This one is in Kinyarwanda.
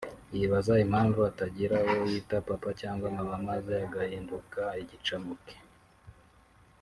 yibaza impamvu atagira uwo yita papa cyagwa mama maze agahinduka igicamuke